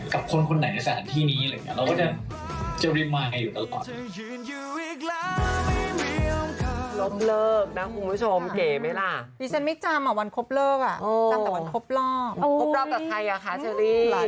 กับคนในสถานที่นี้เราก็จะริมมาให้อยู่ตลอด